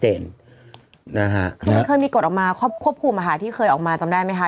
คือมันเคยมีกฎออกมาควบคุมที่เคยออกมาจำได้ไหมคะ